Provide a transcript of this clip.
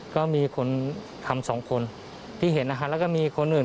ก็มีคนทำสองคนที่เห็นนะคะแล้วก็มีคนอื่น